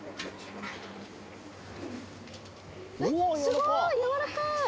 すごいやわらかい！